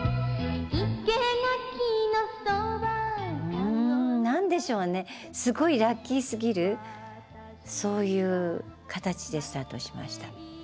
うん何でしょうねすごいラッキーすぎるそういう形でスタートしました。